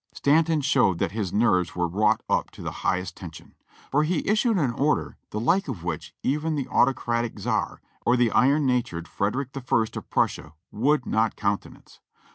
Stanton showed that his nerves were wrought up to the high est tension, for he issued an order the like of which even the auto cratic Czar or the iron natured Frederick the First of Prussia would not countenance.